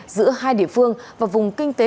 giữa hai địa phương và vùng kinh tế